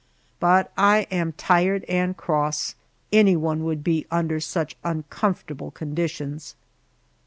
But I am tired and cross; anyone would be under such uncomfortable conditions.